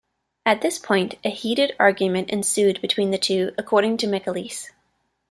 At this point, a heated argument ensued between the two, according to McAleese.